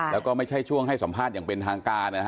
แล้วก็ไม่ใช่ช่วงให้สัมภาษณ์อย่างเป็นทางการนะฮะ